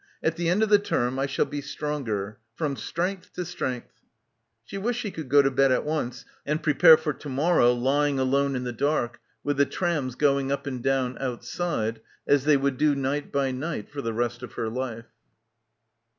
At the end of the term I shall" be stronger. From strength to strength." She wished she could go to bed at once and prepare for to morrow lying alone in the dark with the trams going up and down outside as they would do night by night for the rest of her life.